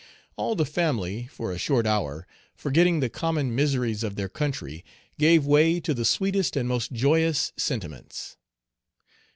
All the family, for a short hour, forgetting the common miseries of their country, gave way to the sweetest and most joyous sentiments.